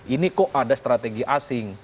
ini kok ada strategi asing